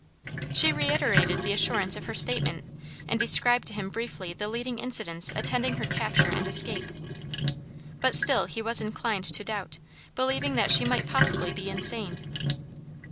She reiterated the assurance of her statement, and described to him briefly the leading incidents attending her capture and escape; but still he was inclined to doubt, believing that she might possibly be insane.